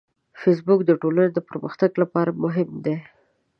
فېسبوک د ټولنې د پرمختګ لپاره مهم دی